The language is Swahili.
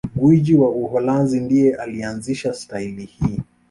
gwiji wa Uholanzi ndiye aliyeanzisha stahili hii